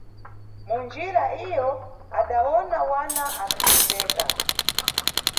Munjira iwo adawona wana akhasendzeka.